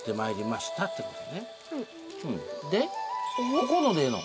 ここのでええの？